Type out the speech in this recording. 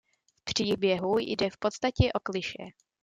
V příběhu jde v podstatě o klišé.